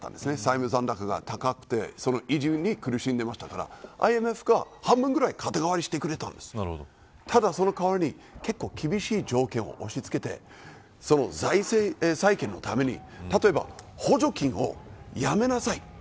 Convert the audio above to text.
債務残高が高くてそれに苦しんでいましたからＩＭＦが肩代わりしてくれましたがその代わり厳しい条件を押し付けて財務再建のために例えば補助金をやめなさい